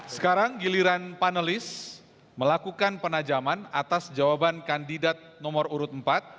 sekarang giliran panelis melakukan penajaman atas jawaban kandidat nomor urut empat